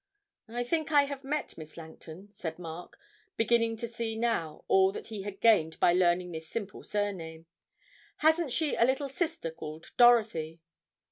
'I think I have met Miss Langton,' said Mark, beginning to see now all that he had gained by learning this simple surname. 'Hasn't she a little sister called Dorothy?'